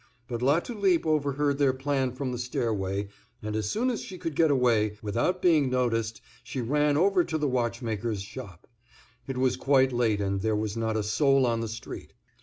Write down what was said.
But Latulipe overheard their plan from the stairway, and as soon as she could get away without being noticed, she ran over to the watchmaker's shop. It was quite late and there was not a soul on the street.